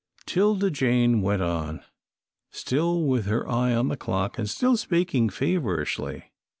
'Tilda Jane went on, still with her eye on the clock, and still speaking feverishly.